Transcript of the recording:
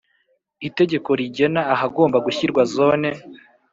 Itegeko rigena ahagomba gushyirwa Zone